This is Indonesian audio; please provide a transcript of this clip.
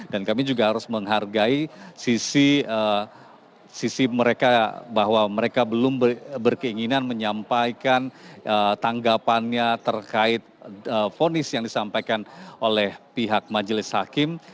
dan kami juga harus menghargai sisi mereka bahwa mereka belum berkeinginan menyampaikan tanggapannya terkait fornis yang disampaikan oleh pihak majelis hakim